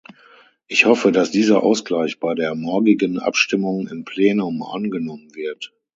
Ich hoffe, dass dieser Ausgleich bei der morgigen Abstimmung im Plenum angenommen wird.